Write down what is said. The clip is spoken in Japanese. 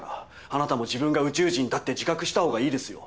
あなたも自分が宇宙人だって自覚した方がいいですよ。